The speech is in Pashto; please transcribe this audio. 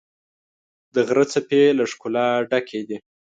د غره څپې له ښکلا ډکې دي.